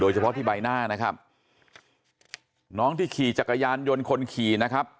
เฉพาะที่ใบหน้านะครับน้องที่ขี่จักรยานยนต์คนขี่นะครับ